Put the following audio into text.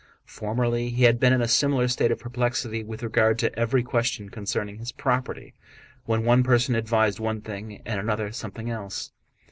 Formerly he had been in a similar state of perplexity with regard to every question concerning his property, when one person advised one thing and another something else.